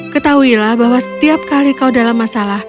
ketahuilah bahwa setiap kali kau dalam masalah